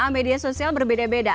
media sosial berbeda beda